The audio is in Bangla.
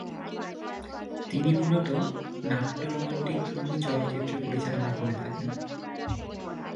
তিনি মূলত নাট্য-রোমান্টিকধর্মী চলচ্চিত্র পরিচালনা করে থাকেন।